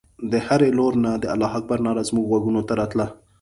د هرې لور نه د الله اکبر ناره زموږ غوږو ته راتلله.